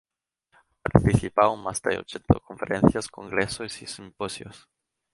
Ha participado en más de ochenta conferencias, congresos y simposios.